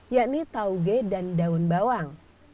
yakni tauge dan daun bawang